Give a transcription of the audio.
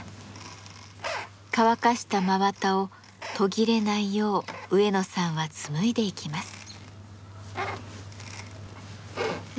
乾かした真綿を途切れないよう植野さんは紡いでいきます。